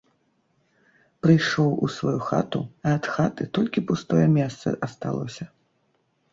Прыйшоў у сваю хату, а ад хаты толькі пустое месца асталося.